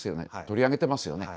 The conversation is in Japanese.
取り上げてますよね。